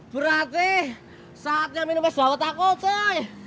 berarti saatnya minum es bawah takut coy